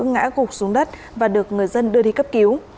ngã gục xuống đất và được người dân đưa đi cấp cứu